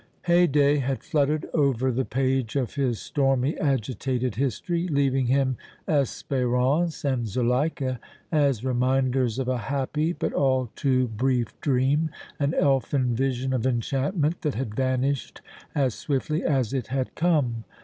Haydée had fluttered over the page of his stormy, agitated history, leaving him Espérance and Zuleika as reminders of a happy, but all too brief dream, an elfin vision of enchantment that had vanished as swiftly as it had come.